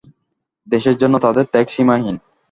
দেশের জন্য তাঁদের ত্যাগ সীমাহীন।